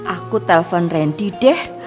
aku telpon randy deh